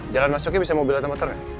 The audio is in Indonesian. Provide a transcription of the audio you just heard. jalan masuknya bisa mobil atau motor nggak